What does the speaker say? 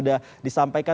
nah kalau balik lagi